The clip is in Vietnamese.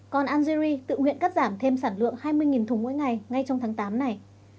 còn algeri tự nguyện cắt giảm thêm sản lượng hai mươi thùng mỗi ngày ngay trong tháng tám này